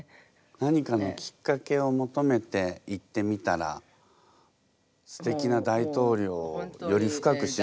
何かのきっかけを求めて行ってみたらステキな大統領をより深く知ることができて。